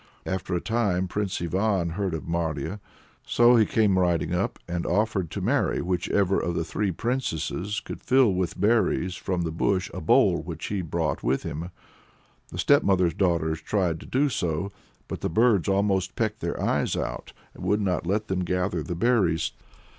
After a time a Prince Ivan heard of Marya, so he came riding up, and offered to marry whichever of the three princesses could fill with berries from the bush a bowl which he brought with him. The stepmother's daughters tried to do so, but the birds almost pecked their eyes out, and would not let them gather the berries.